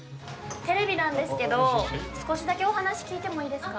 テレビなんですけど少しだけお話聞いてもいいですか？